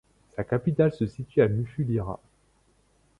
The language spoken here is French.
Sa capitale se situe à Mufulira.